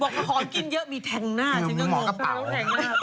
บอกว่าพร้อมกินเยอะมีแทงหน้าฉันก็งงงใช่ไหมหมอกระเป๋าค่ะ